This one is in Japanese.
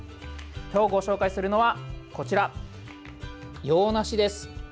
今日ご紹介するのは、こちら洋梨です。